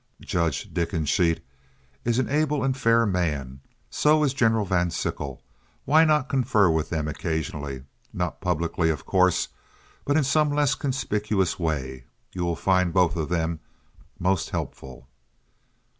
Judge Dickensheets is an able and fair man. So is General Van Sickle. Why not confer with them occasionally?—not publicly, of course, but in some less conspicuous way. You will find both of them most helpful."